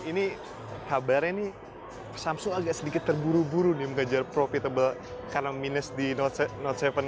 ini kabarnya nih samsung agak sedikit terburu buru nih mengejar profitable karena minus di note tujuh